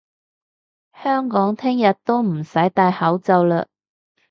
香港聽日都唔使戴口罩嘞！